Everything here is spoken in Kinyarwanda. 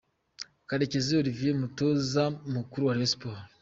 Karekezi Olivier umutoza mukuru wa Rayon Sports.